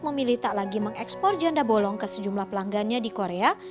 memilih tak lagi mengekspor janda bolong ke sejumlah pelanggannya di korea